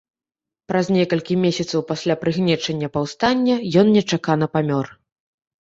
Праз некалькі месяцаў пасля прыгнечання паўстання ён нечакана памёр.